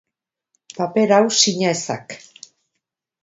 Paper hau sina ezak.